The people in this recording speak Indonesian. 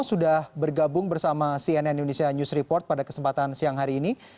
sudah bergabung bersama cnn indonesia news report pada kesempatan siang hari ini